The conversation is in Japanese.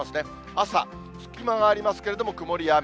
朝、隙間がありますけれども、曇りや雨。